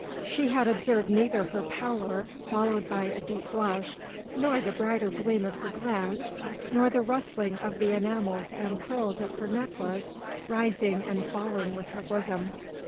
She had observed neither her pallor, followed by a deep blush, nor the brighter gleam of her glance nor the rustling of the enamels and pearls of her necklace rising and falling with her bosom.